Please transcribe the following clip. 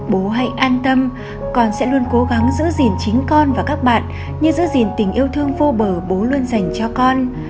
bố hãy an tâm con sẽ luôn cố gắng giữ gìn chính con và các bạn như giữ gìn tình yêu thương vô bờ bố luôn dành cho con